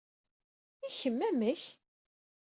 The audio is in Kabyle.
I kemm, amek?